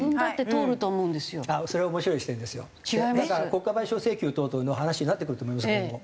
国家賠償請求等々の話になってくると思います今後。